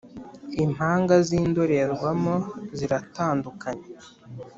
impanga zindorerwamo ziratandukanye